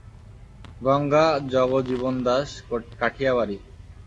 গঙা জগজীবনদাস কাঠিয়াবাড়ি।